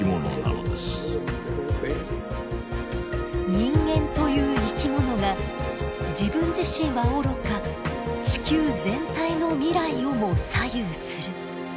人間という生き物が自分自身はおろか地球全体の未来をも左右する。